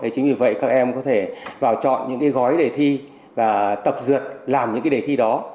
chính vì vậy các em có thể vào chọn những cái gói đề thi và tập dượt làm những cái đề thi đó